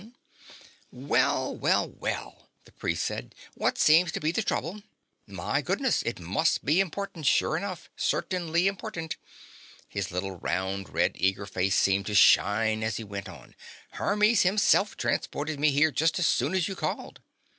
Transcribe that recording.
"Well, well, well," the priest said. "What seems to be the trouble? My goodness. It must be important, sure enough certainly important." His little round red eager face seemed to shine as he went on. "Hermes himself transported me here just as soon as you called!"